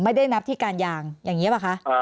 ไม่ได้นับที่การยางอย่างนี้ป่ะคะ